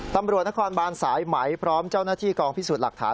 ตำรวจนครบานสายไหมพร้อมเจ้าหน้าที่กองพิสูจน์หลักฐาน